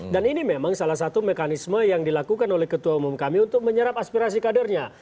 dan ini memang salah satu mekanisme yang dilakukan oleh ketua umum kami untuk menyerap aspirasi kadernya